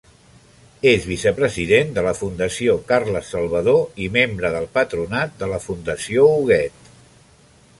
És vicepresident de la Fundació Carles Salvador i membre del patronat de la Fundació Huguet.